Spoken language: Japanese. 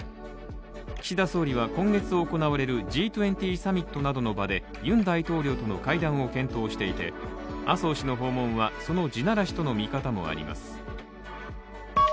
岸田総理は今月行われるＧ２０サミットなどの場でユン大統領との会談を検討していて麻生氏の訪問はその地ならしとの見方もあります。